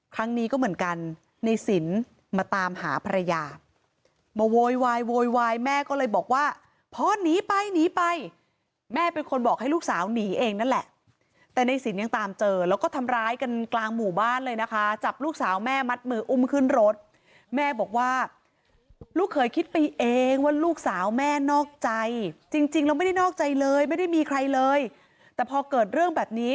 ครั้งนี้ก็เหมือนกันในสินมาตามหาภรรยามาโวยวายโวยวายแม่ก็เลยบอกว่าพ่อหนีไปหนีไปแม่เป็นคนบอกให้ลูกสาวหนีเองนั่นแหละแต่ในสินยังตามเจอแล้วก็ทำร้ายกันกลางหมู่บ้านเลยนะคะจับลูกสาวแม่มัดมืออุ้มขึ้นรถแม่บอกว่าลูกเคยคิดไปเองว่าลูกสาวแม่นอกใจจริงจริงแล้วไม่ได้นอกใจเลยไม่ได้มีใครเลยแต่พอเกิดเรื่องแบบนี้